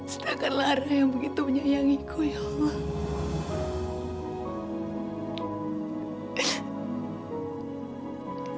sedangkan lara yang begitu menyayangiku ya allah